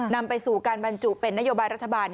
นำไปสู่การบรรจุเป็นนโยบายรัฐบาล